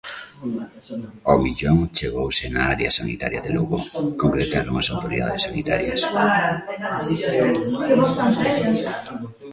Ao millón chegouse na área sanitaria de Lugo, concretaron as autoridades sanitarias.